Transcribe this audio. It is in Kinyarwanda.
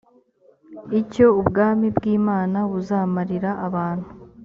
icyo ubwami bw imana buzamarira abantu